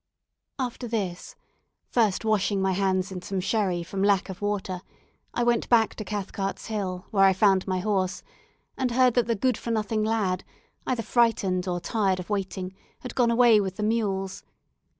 After this, first washing my hands in some sherry from lack of water, I went back to Cathcart's Hill, where I found my horse, and heard that the good for nothing lad, either frightened or tired of waiting, had gone away with the mules.